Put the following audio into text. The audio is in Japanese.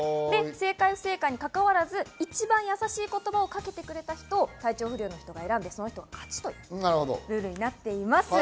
正解・不正解にかかわらず、一番やさしい言葉をかけてくれた人を体調不良の人が選んで、その人の勝ちとなります。